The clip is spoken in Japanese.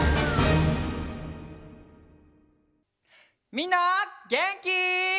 みんなげんき？